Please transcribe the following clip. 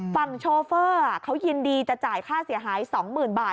โชเฟอร์เขายินดีจะจ่ายค่าเสียหาย๒๐๐๐บาท